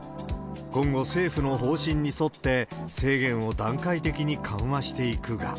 今後、政府の方針に沿って制限を段階的に緩和していくが。